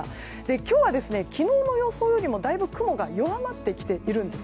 今日は昨日の予想よりもだいぶ雲が弱まってきているんです。